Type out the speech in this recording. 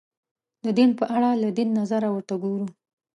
د دین په اړه له دین نظره ورته وګورو